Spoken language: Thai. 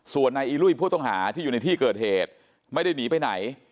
ส่วนนายอีลุยผู้ต้องหาที่อยู่ในที่เกิดเหตุไม่ได้หนีไปไหน